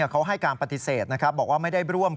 เขาให้การปฏิเสธนะครับบอกว่าไม่ได้ร่วม